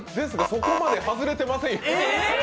そこまで外れてませんよ。